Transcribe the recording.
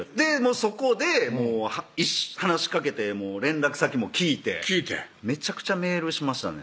そこで話しかけて連絡先も聞いて聞いてめちゃくちゃメールしましたね